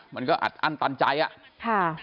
มันก็อัดอั้นตันใจอ่ะค่ะ